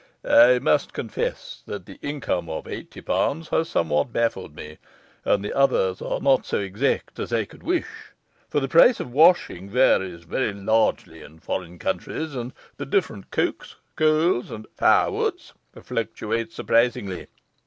I must confess that the income of eighty pounds has somewhat baffled me, and the others are not so exact as I could wish; for the price of washing varies largely in foreign countries, and the different cokes, coals and firewoods fluctuate surprisingly.